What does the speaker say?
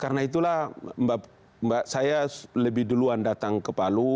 karena itulah saya lebih duluan datang ke palu